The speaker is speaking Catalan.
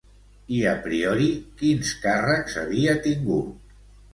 I a priori quins càrrecs havia tingut?